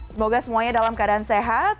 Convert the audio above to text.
semoga semuanya dalam keadaan sehat